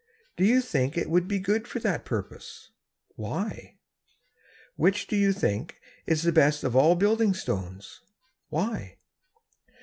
Do you think it would be good for that purpose? Why? Which, do you think, is the best of all building stones? Why?